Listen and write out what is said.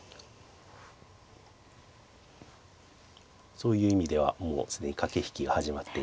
そういう意味ではもう既に駆け引きが始まっていますね。